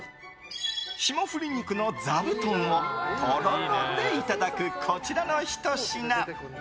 霜降り肉のザブトンをとろろでいただくこちらのひと品。